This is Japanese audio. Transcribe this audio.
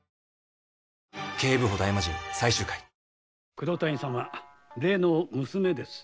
黒谷様例の娘です。